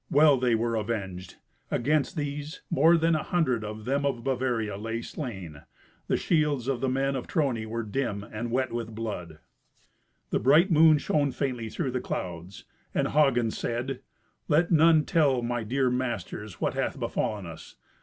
Well they were avenged. Against these, more than an hundred of them of Bavaria lay slain. The shields of the men of Trony were dim and wet with blood. The bright moon shone faintly through the clouds, and Hagen said, "Let none tell my dear masters what hath befallen us.